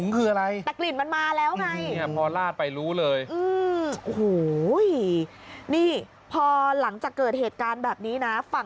คือเอิ้งทำอะไรไม่ถูกนี่ชุดดำ